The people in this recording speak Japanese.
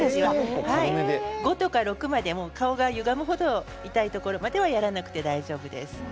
５とか６まで顔がゆがむ程痛いところまではやらなくて大丈夫です。